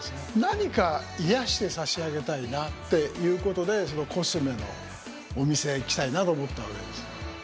何か癒やして差し上げたいなっていうことでコスメのお店へ行きたいなと思ったわけです。